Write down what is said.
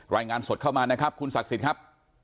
รายงานสดเข้ามานะครับคุณศักดิ์สิทธิ์ครับ